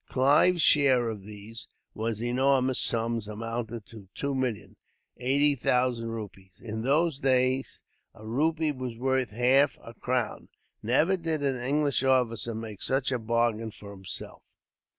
Clive's share of these enormous sums amounted to two million, eighty thousand rupees. In those days, a rupee was worth half a crown. Never did an English officer make such a bargain for himself.